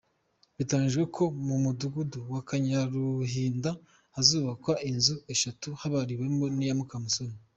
Biteganyijwe ko mu Mudugudu w’Akanyaruhinda hazubakwa inzu eshanu, habariyemo n’iya Mukamusoni.